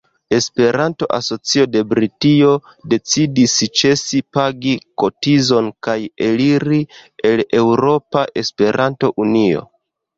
Esperanto-Asocio de Britio decidis ĉesi pagi kotizon kaj eliri el Eŭropa Esperanto-Unio.